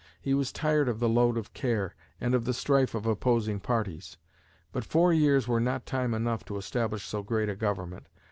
He was tired of the load of care, and of the strife of opposing parties. But four years were not time enough to establish so great a government.